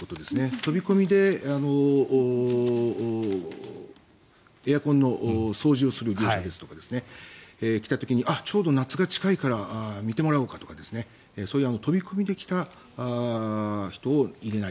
飛び込みでエアコンの掃除をする業者ですとかが来た時あっ、ちょうど夏が近いから見てもらおうかとかそういう飛び込みで来た人を入れない。